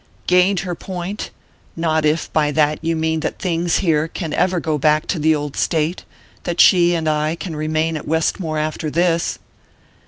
"Gained her point? Not if, by that, you mean that things here can ever go back to the old state that she and I can remain at Westmore after this!"